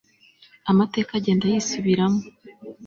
Amateka agenda yisubiramo